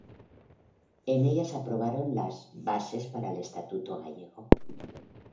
En ella se aprobaron las "Bases para el Estatuto Gallego".